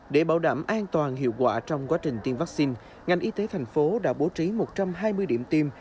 để bảo đảm an toàn hiệu quả trong quá trình tiêm vaccine ngành y tế thành phố đã bố trí một trăm hai mươi điểm tiêm